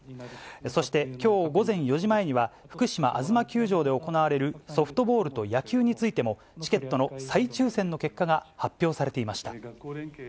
そして、きょう午前４時前には、福島、あずま球場で行われるソフトボールと野球についても、チケットの再抽せんの結果が発表されていました。